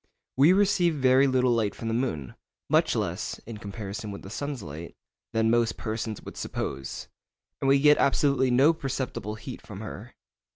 We receive very little light from the moon, much less (in comparison with the sun's light) than most persons would suppose, and we get absolutely no perceptible heat from her.